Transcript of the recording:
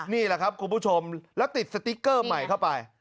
นี่แหละครับคุณผู้ชมแล้วติดสติ๊กเกอร์ใหม่เข้าไป